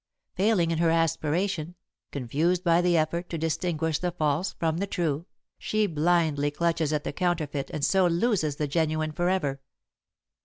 Failing in her aspiration, confused by the effort to distinguish the false from the true, she blindly clutches at the counterfeit and so loses the genuine forever.